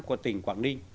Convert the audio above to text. của tỉnh quảng ninh